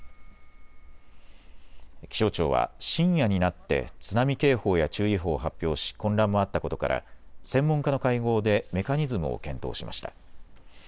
気象庁は深夜になって津波警報や注意報を発表し混乱もあったことから専門家の会合でメカニズムを検討しました。